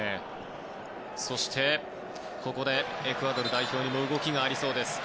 そして、ここでエクアドル代表にも動きがありそうです。